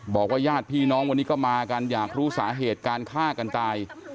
ญาติพี่น้องวันนี้ก็มากันอยากรู้สาเหตุการฆ่ากันตาย